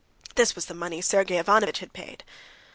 (This was the money Sergey Ivanovitch had paid.)